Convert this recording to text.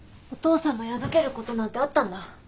お父さんも破けることなんてあったんだ。